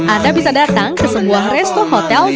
anda bisa datang ke sebuah resto hotel di kewan